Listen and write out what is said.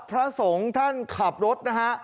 พระสงฆ์ท่านขับรถนะฮะ